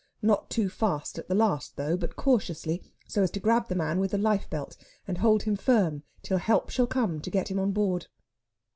Not too fast at the last, though, but cautiously, so as to grasp the man with the life belt and hold him firm till help shall come to get him on board.